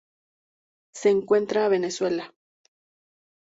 Se encuentra Venezuela.